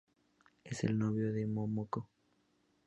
Es el novio de Momoko.